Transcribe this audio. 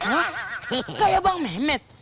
hah kayak bang mehmet